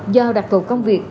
do đặc vụ công việc